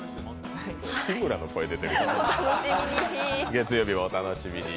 月曜日をお楽しみに。